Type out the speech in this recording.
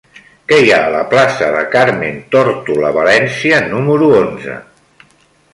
Què hi ha a la plaça de Carmen Tórtola Valencia número onze?